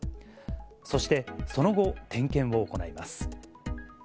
そして、その後、点検を行います。